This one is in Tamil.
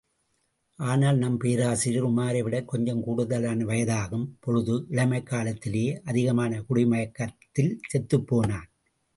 ஆனால் நம் பேராசிரியர் உமாரை விடக் கொஞ்சம் கூடுதலான வயதாகும் பொழுது, இளமைக் காலத்திலேயே அதிகமான குடிமயக்கத்தில் செத்துப்போனான்.